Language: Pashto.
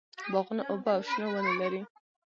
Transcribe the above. باغونه اوبه او شنه ونې لري.